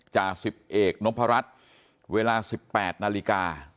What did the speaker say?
จาสิบเอกนพรรดิเวลาสิบแปดนาฬิกา